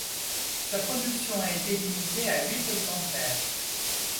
Sa production a été limitée à huit exemplaires.